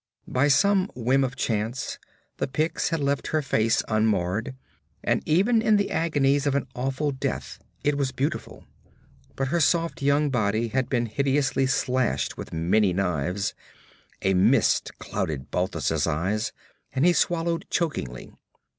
By some whim of chance the Picts had left her face unmarred, and even in the agonies of an awful death it was beautiful. But her soft young body had been hideously slashed with many knives a mist clouded Balthus' eyes and he swallowed chokingly.